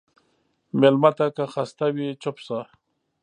مېلمه ته که خسته وي، چپ شه.